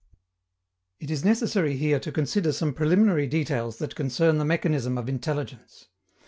_ It is necessary here to consider some preliminary details that concern the mechanism of intelligence.